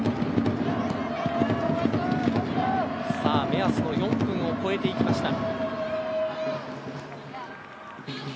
目安の４分を超えていきました。